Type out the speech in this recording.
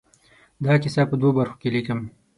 دا کیسې په دوو برخو کې ليکم.